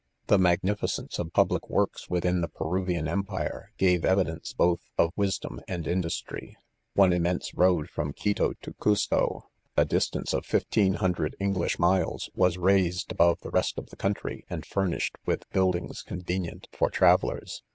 — The magnificence of public works within the Peruvian em pire, gave evidence both of wisdom and industry. One in> mense road from Quito to Cusco, a distance of fifteen hun dred English miles, .was raised above the rest of the country and furnished with buildings convenient for travellers.